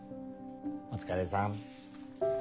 お疲れさん。